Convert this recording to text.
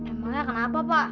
emangnya kenapa pak